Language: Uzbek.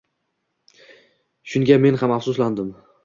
Shunga men ham afsuslandim.